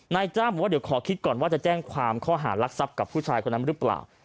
นายจ้างบอกว่าเดี๋ยวขอคิดก่อนว่าจะแจ้งความข้อหารักทรัพย์กับผู้ชายคนนั้นหรือเปล่า